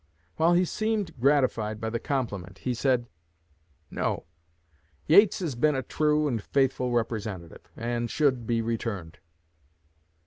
While he seemed gratified by the compliment, he said: 'No; Yates has been a true and faithful Representative, and should be returned.'